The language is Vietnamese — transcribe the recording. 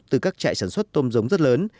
từ các trại sản xuất tôm giống rất lớn